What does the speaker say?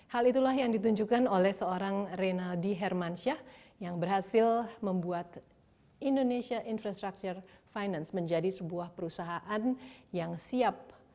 hal itulah yang ditunjukkan oleh seorang reynaldi hermansyah yang berhasil membuat indonesia infrastructure finance menjadi sebuah perusahaan yang siap